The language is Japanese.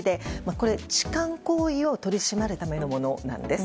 これは痴漢行為を取り締まるためのものなんです。